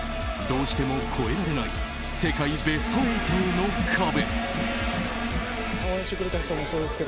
どうしても越えられない世界ベスト８への壁。